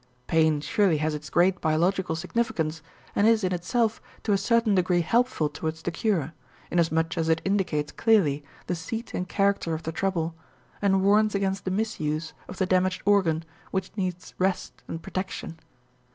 Pain surely has its great biological significance and is in itself to a certain degree helpful towards the cure, inasmuch as it indicates clearly the seat and character of the trouble and warns against the misuse of the damaged organ which needs rest and protection.